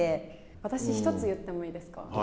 私、一つ言ってもいいですか。